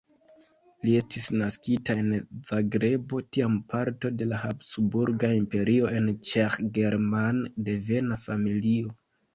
Li estis naskita en Zagrebo, tiam parto de la Habsburga Imperio, en Ĉeĥ-German-devena familio.